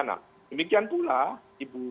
dan pembunuhan yang dianggap sebagai rencana